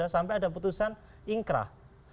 sampai ada putusan ingkrah